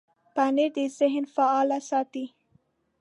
پنېر د ذهن فعاله ساتي.